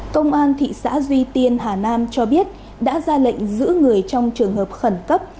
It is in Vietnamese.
công an thị xã duy tiên hà nam cho biết đã ra lệnh giữ người trong trường hợp khẩn cấp